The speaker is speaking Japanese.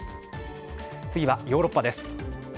次は、ヨーロッパです。